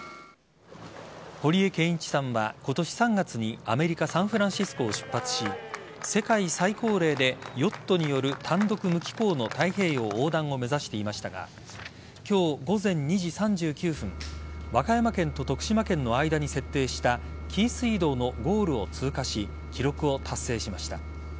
堀江謙一さんは今年３月にアメリカ・サンフランシスコを出発し世界最高齢でヨットによる単独無寄港の太平洋横断を目指していましたが今日午前２時３９分和歌山県と徳島県の間に設定した紀伊水道のゴールを通過し記録を達成しました。